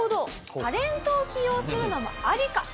タレントを起用するのもありか。